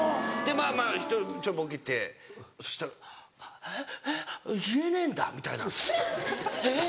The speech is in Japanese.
まぁまぁちょっとボケてそしたら「えっえっ言えねえんだ」みたいな「えぇ？」